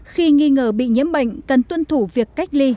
khi nghi ngờ bị nhiễm bệnh cần tuân thủ việc cách ly